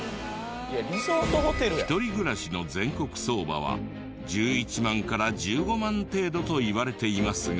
「リゾートホテルやん」１人暮らしの全国相場は１１万から１５万程度といわれていますが。